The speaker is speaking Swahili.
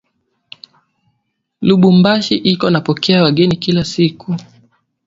Lubumbashi iko napokea wageni kila siku